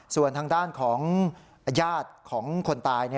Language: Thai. ส่วนทางด้านของญาติของคนตาย